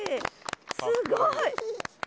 すごい。